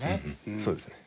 そうですね。